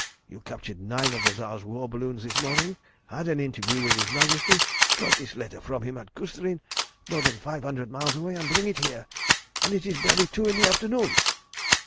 You captured nine of the Tsar's war balloons this morning, had an interview with his Majesty, got this letter from him at Cüstrin more than five hundred miles away, and bring it here, and it is barely two in the afternoon!